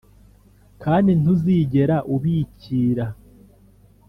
kandi ntuzigera ubikira.